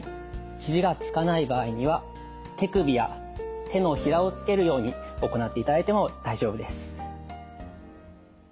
肘がつかない場合には手首や手のひらをつけるように行っていただいても大丈夫です。